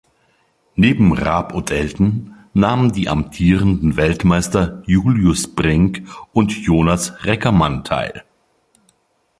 Neben Raab und Elton nahmen die amtierenden Weltmeister Julius Brink und Jonas Reckermann teil.